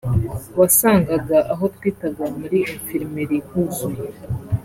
wasangaga aho twitaga muri infirmerie huzuye